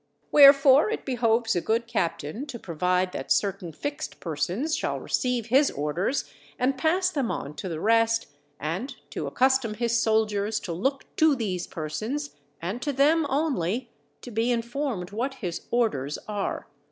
Wherefore it behoves a good captain to provide that certain fixed persons shall receive his orders and pass them on to the rest, and to accustom his soldiers to look to these persons, and to them only, to be informed what his orders are.